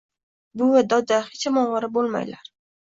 buvi, doda hecham ovora bo’melar.